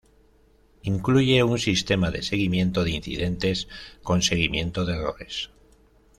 Incluye un sistema de seguimiento de incidentes con seguimiento de errores.